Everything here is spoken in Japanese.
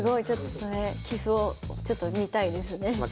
ちょっとそれ棋譜をちょっと見たいですね。